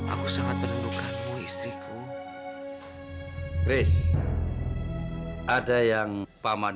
aku sangat bener istriku chris ada yang paman